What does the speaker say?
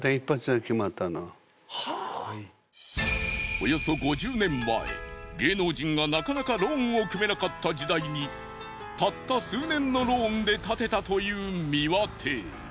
およそ５０年前芸能人がなかなかローンを組めなかった時代にたった数年のローンで建てたという美輪邸。